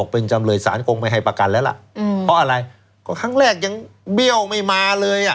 เพราะฉะนั้นเดี๋ยวมา